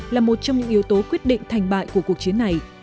là một trong những yếu tố quyết định thành bại của cuộc chiến này